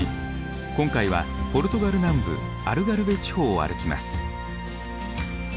今回はポルトガル南部アルガルヴェ地方を歩きます。